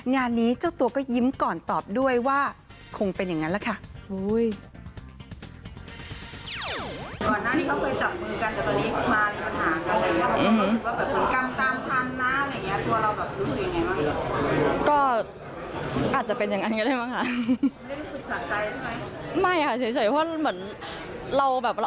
งานนี้เจ้าตัวก็ยิ้มก่อนตอบด้วยว่าคงเป็นอย่างนั้นแหละค่ะ